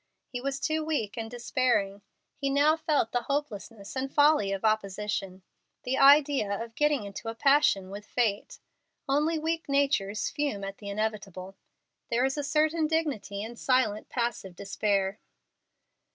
He was too weak and despairing. He now felt the hopelessness and folly of opposition. The idea of getting into a passion with fate! Only weak natures fume at the inevitable. There is a certain dignity in silent, passive despair.